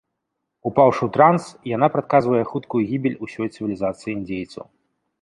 Упаўшы ў транс, яна прадказвае хуткую гібель усёй цывілізацыі індзейцаў.